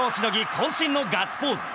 渾身のガッツポーズ。